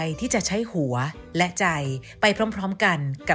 สวัสดีค่ะ